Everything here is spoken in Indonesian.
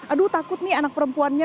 aduh takut nih anak perempuannya